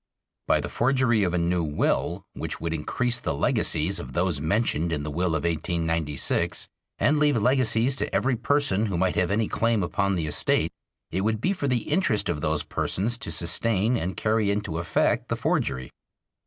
By the forgery of a new will which would increase the legacies of those mentioned in the will of 1896 and leave legacies to every person who might have any claim upon the estate, it would be for the interest of those persons to sustain and carry into effect the forgery.